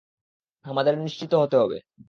আমাদের নিশ্চিত হতে হবে।